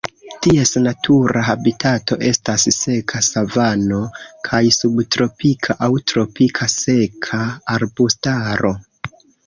Ties natura habitato estas seka savano kaj subtropika aŭ tropika seka arbustaro.